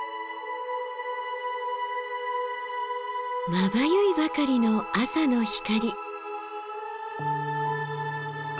まばゆいばかりの朝の光。